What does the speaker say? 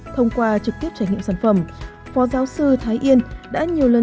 thông qua trực tiếp trải nghiệm sản phẩm phó giáo sư thái yên đã nhiều lần